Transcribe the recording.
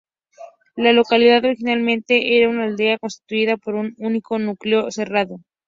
La localidad originalmente era una aldea constituida por un único núcleo cerrado.